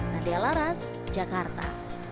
nadia laras jakarta